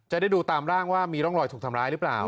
จะได้ดูตามร่างว่ามีร่องรอยถูกทำร้ายหรือเปล่า